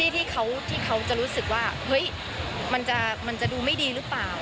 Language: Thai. ที่ที่เขาจะรู้สึกว่าเห้ยมันจะดูไม่ดีรึป่าว